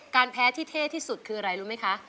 แพ้ที่เท่ที่สุดคืออะไรรู้ไหมคะ